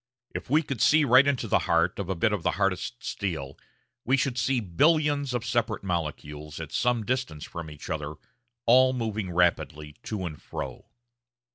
If we could see right into the heart of a bit of the hardest steel, we should see billions of separate molecules, at some distance from each other, all moving rapidly to and fro.